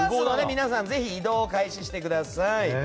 皆さん移動を開始してください。